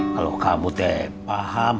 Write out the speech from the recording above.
kalau kamu teh paham